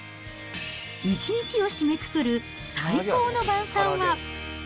一日を締めくくる最高の晩さんは。